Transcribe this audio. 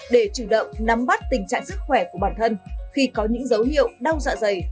để chủ động nắm bắt tình trạng sức khỏe của bản thân khi có những dấu hiệu đau dạ dày